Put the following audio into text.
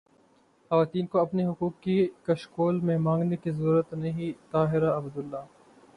خواتین کو اپنے حقوق کشکول میں مانگنے کی ضرورت نہیں طاہرہ عبداللہ